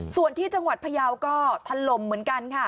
ส่วนที่จังหวัดพยาวก็ทะลมเหมือนกันค่ะ